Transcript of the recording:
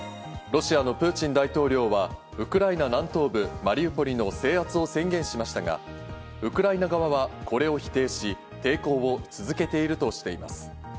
ロシアのプーチン大統領はウクライナ南東部マリウポリの制圧を宣言しましたが、ウクライナ側はこれを否定し、抵抗を続けているとしています。